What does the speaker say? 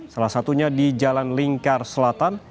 salah satunya di jalan lingkar selatan